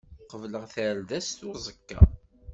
Qebleɣ tardast uẓekka.